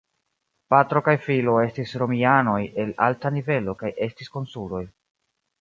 Patro kaj filo estis romianoj el alta nivelo kaj estis konsuloj.